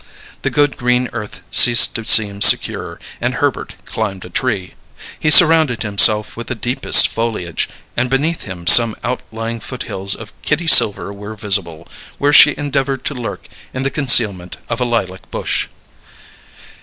The good green earth ceased to seem secure; and Herbert climbed a tree. He surrounded himself with the deepest foliage; and beneath him some outlying foothills of Kitty Silver were visible, where she endeavoured to lurk in the concealment of a lilac bush.